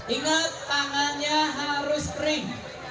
ingat tangannya harus kering